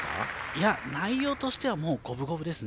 内容としては五分五分ですね。